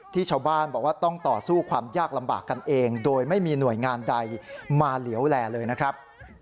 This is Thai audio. ชาวบ้านบอกว่าต้องต่อสู้ความยากลำบากกันเองโดยไม่มีหน่วยงานใดมาเหลวแลเลยนะครับ